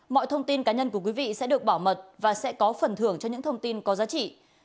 mọi thông tin cá nhân của quý vị sẽ được bảo mật và sẽ có phần thưởng cho những thông tin có giá trị